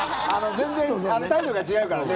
全然、態度が違うからね。